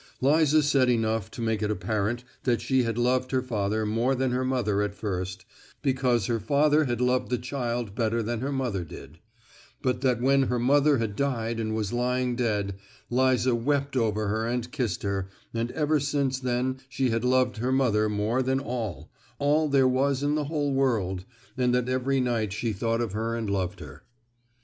Liza said enough to make it apparent that she had loved her father more than her mother at first, because that her father had loved the child better than her mother did; but that when her mother had died and was lying dead, Liza wept over her and kissed her, and ever since then she had loved her mother more than all—all there was in the whole world—and that every night she thought of her and loved her.